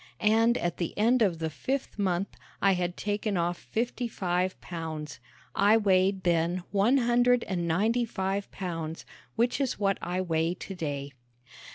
And at the end of the fifth month I had taken off fifty five pounds. I weighed then one hundred and ninety five pounds, which is what I weigh today.